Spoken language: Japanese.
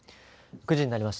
９時になりました。